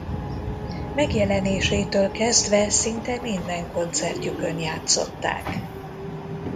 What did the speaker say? Megjelenésétől kezdve szinte minden koncertjükön játszották.